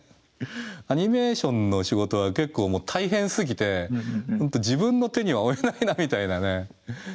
アニメーションの仕事は結構もう大変すぎて自分の手には負えないなみたいなね。